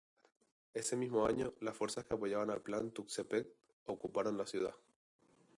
Ese mismo año, las fuerzas que apoyaban el Plan de Tuxtepec ocuparon la ciudad.